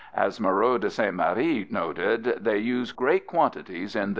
As Moreau de St. Méry noted, they "use great quantities in their tea."